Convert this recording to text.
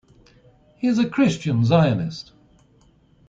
He is a Christian Zionist.